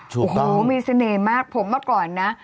โอ้โหมีเสน่ห์มากผมเมื่อก่อนนะ